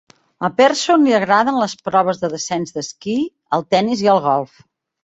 A Persson li agraden les proves de descens d'esquí, el tennis i el golf.